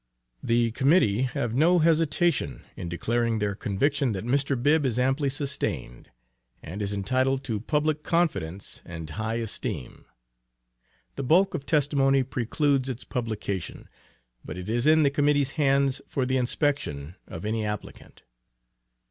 The Committee have no hesitation in declaring their conviction that Mr. Bibb is amply sustained, and is entitled to public confidence and high esteem. The bulk of testimony precludes its publication, but it is in the Committee's hands for the inspection of any applicant.